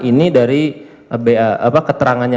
ini dari keterangannya